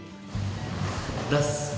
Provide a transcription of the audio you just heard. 出す。